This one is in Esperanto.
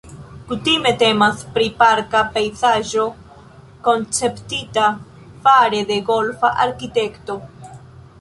Kutime temas pri parka pejzaĝo konceptita fare de golfa arkitekto.